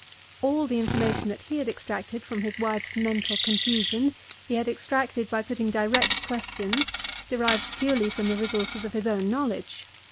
All the information that he had extracted from his wife's mental confusion, he had extracted by putting direct questions, derived purely from the resources of his own knowledge.